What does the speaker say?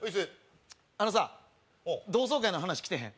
あのさ同窓会の話来てへん？